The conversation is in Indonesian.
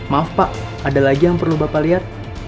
maaf pak ada lagi yang perlu bapak lihat